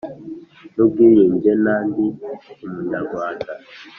n ubwiyunge na Ndi Umunyarwanda